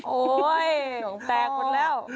โอ๊ยหลวงแตกหมดแล้ว